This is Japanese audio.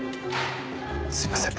すいません。